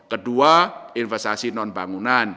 kedua investasi non bangunan